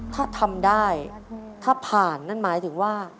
ถ้าทำได้ถ้าผ่านนั่นหมายถึงว่า